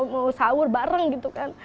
mau sahur bareng gitu kan